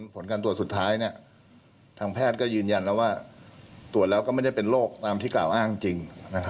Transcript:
ผลการตรวจสุดท้ายทางแพทย์ก็ยืนยันแล้วว่าตรวจแล้วก็ไม่ได้เป็นโรคตามที่กล่าวอ้างจริง